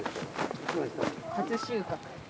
初収穫。